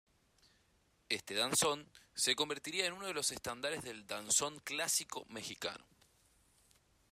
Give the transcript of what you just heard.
Este danzón se convertiría en uno de los estándares del danzón clásico mexicano.